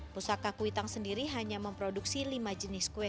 pusaka kuitang sendiri hanya memproduksi lima jenis kue